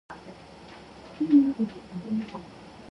In consequence, he is banished back to Earth.